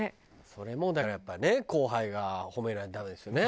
それもだからやっぱね後輩が褒めないとダメですよね。